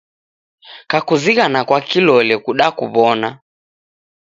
Kakuzighana kwa kilole kudakuw'ona